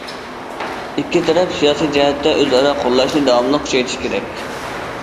ئىككى تەرەپ سىياسىي جەھەتتە ئۆزئارا قوللاشنى داۋاملىق كۈچەيتىشى كېرەك.